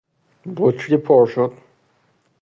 بطری پر شد.